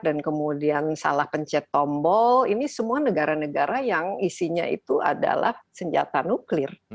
dan kemudian salah pencet tombol ini semua negara negara yang isinya itu adalah senjata nuklir